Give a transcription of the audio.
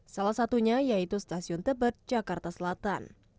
salah satunya yaitu stasiun tebet jakarta selatan